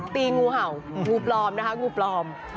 ตีงูเห่างูปลอมนะคะงูปลอม